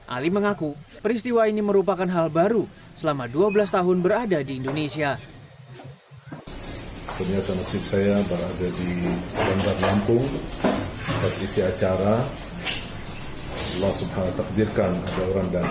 ali mengaku peristiwa ini merupakan hal baru selama dua belas tahun berada di indonesia